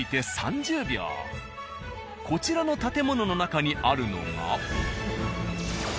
［こちらの建物の中にあるのが］